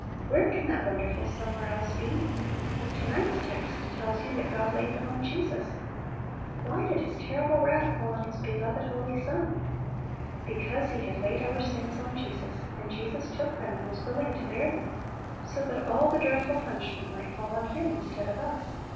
Where can that wonderful " somewhere else " be ? To night's text tells you that God laid them on Jesus. Why did His terrible wrath fall on His Little Pillows. 23 beloved, holy Son? Because He had laid our sins on Jesus, and Jesus took them, and was willing to bear them, so that all the dreadful punishment might fall on Him instead of us.